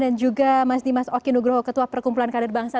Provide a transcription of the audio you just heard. dan juga mas dimas oki nugroho ketua perkumpulan karir bangsa